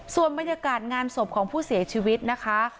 ส่วนบรรยากาศงานศพของผู้เสียชีวิตนะคะ